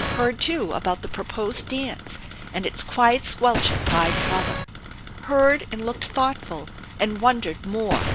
Heard, too, about the proposed dance, and its quiet squelching by the brother. Heard, and looked thoughtful, and wondered more.